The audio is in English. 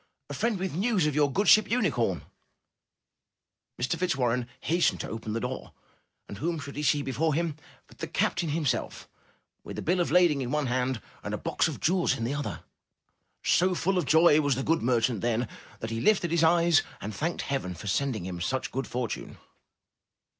*'A friend with news of your good ship ^Unicorn.' '* Mr. Fitz warren hastened to open the door and whom should he see before him but the captain him self, with a bill of lading in one hand, and a box of jewels in the other. So full of joy was the good mer chant then, that he lifted his eyes and thanked Heaven for sending him such good fortune.